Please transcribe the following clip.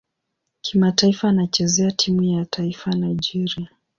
Kimataifa anachezea timu ya taifa Nigeria.